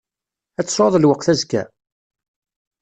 Ad tesɛuḍ lweqt azekka?